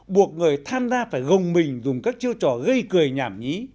buộc người tham gia phải gồng mình dùng các chiêu trò gây cười nhảm nhí